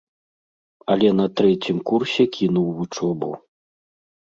Але на трэцім курсе кінуў вучобу.